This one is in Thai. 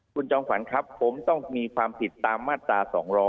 คุณจอมขวัญครับผมต้องมีความผิดตามมาตรา๒๗